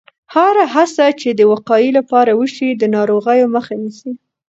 هره هڅه چې د وقایې لپاره وشي، د ناروغیو مخه نیسي.